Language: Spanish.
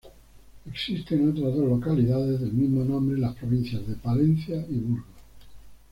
Existen otras dos localidades del mismo nombre en las provincias de Palencia y Burgos.